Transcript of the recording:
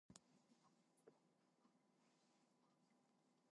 Whether the two subfamilies are reciprocally monophyletic is an open question.